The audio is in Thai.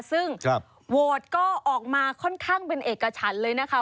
ซึ่งโหวตก็ออกมาค่อนข้างเป็นเอกฉันเลยนะคะ